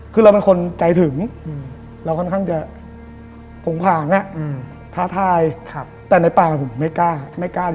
คือเราเป็นคนใจถึงเราค่อนข้างจะผงผางท้าทายแต่ในปากผมไม่กล้าไม่กล้า